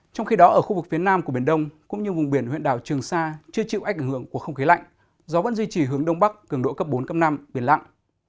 trong khi đó ở khu vực phía nam của biển đông cũng như vùng biển huyện đảo trường sa chưa chịu ảnh hưởng của không khí lạnh gió vẫn duy trì hướng đông bắc cường độ cấp bốn cấp năm biển lặng